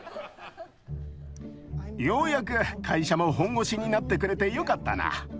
ようやく会社も本腰になってくれてよかったな。